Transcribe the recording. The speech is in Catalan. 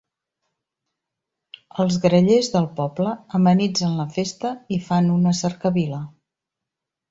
Els grallers del poble amenitzen la festa i fan una cercavila.